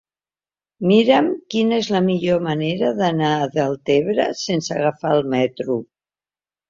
Mira'm quina és la millor manera d'anar a Deltebre sense agafar el metro.